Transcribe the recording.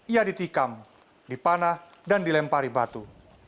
ia ditikam dipanah dan dilempari batu